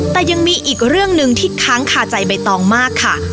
แต่ยังมีอีกเรื่องหนึ่งที่ค้างคาใจใบตองมากค่ะ